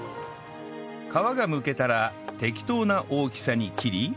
皮がむけたら適当な大きさに切り